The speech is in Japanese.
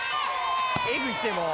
エグいってもう。